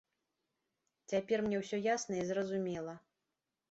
Цяпер мне ўсё ясна і зразумела.